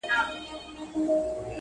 خداى وركړي وه سل سره سل خيالونه!!